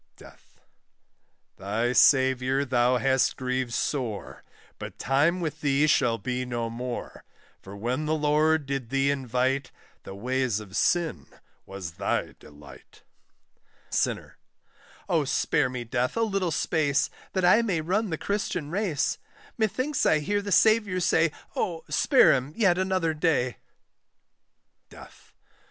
DEATH. Thy Saviour thou hast grieved sore, But time with thee shall be no more; For when the Lord did thee invite, The ways of sin was thy delight. SINNER. Oh spare me, Death, a little space, That I may run the Christian race! Methinks I hear the Saviour say, Oh spare him yet another day; DEATH.